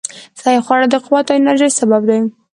صحي خواړه د قوت او انرژۍ سبب دي.